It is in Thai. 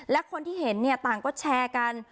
และคนที่เห็นเนี่ยต่างก็แชร์กัน